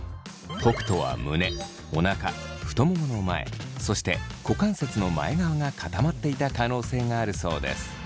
北斗は胸おなか太ももの前そして股関節の前側が固まっていた可能性があるそうです。